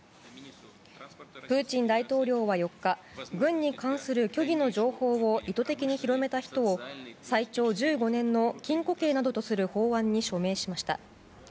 プーチン大統領は４日軍に関する虚偽の情報を意図的に広めた人を最長１５年の禁錮刑などとする法案に署名しました。